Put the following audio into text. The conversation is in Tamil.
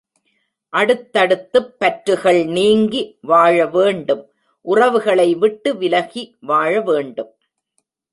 அடுத்தடுத்துப் பற்றுகள் நீங்கி வாழவேண்டும் உறவுகளைவிட்டு விலகி வாழவேண்டும்.